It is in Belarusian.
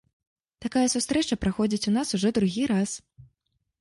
Такая сустрэча праходзіць у нас ужо другі раз.